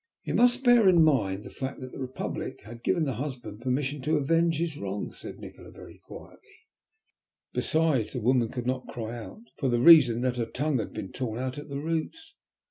"You must bear in mind the fact that the Republic had given the husband permission to avenge his wrongs," said Nikola very quietly. "Besides, the woman could not cry out for the reason that her tongue had been torn out at the roots.